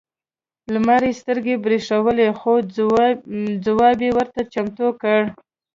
لمر یې سترګې برېښولې خو ځواب یې ورته چمتو کړ.